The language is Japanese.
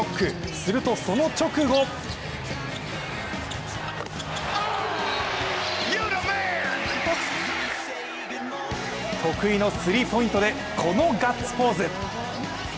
するとその直後得意のスリーポイントでこのガッツポーズ！